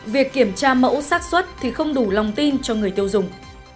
việc kiểm tra mẫu sát xuất thì không đủ lòng tin cho người tiêu dùng